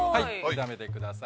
炒めてください。